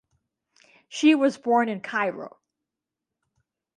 She was born in Cairo.